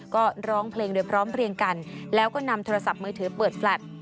ก็ร้องเพลงโดยพร้อมเพลียงกันแล้วก็นำโทรศัพท์มือถือเปิดแฟลต